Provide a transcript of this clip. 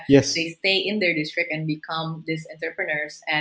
mereka tinggal di daerah mereka dan menjadi pembangunan ini